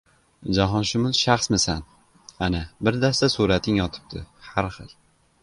Jahonshumul shaxsmi- san? Ana, bir dasta surating yotibdi. Har xil.